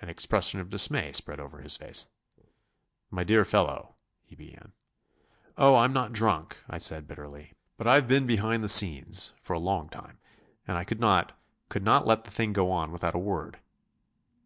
An expression of dismay spread over his face. "My dear fellow," he began. "Oh, I'm not drunk," I said bitterly, "but I've been behind the scenes for a long time. And I could not ... couldn't let the thing go on without a word."